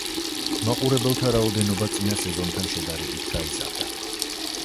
მაყურებელთა რაოდენობა წინა სეზონთან შედარებით გაიზარდა.